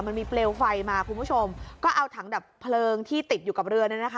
มันมีเปลวไฟมาคุณผู้ชมก็เอาถังดับเพลิงที่ติดอยู่กับเรือเนี่ยนะคะ